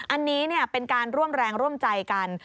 อันนี้เป็นการร่วมแรงร่วมใจกัน